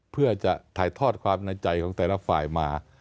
เพื่อจะถ่ายทอดความในใจของแต่ละฝ่ายมา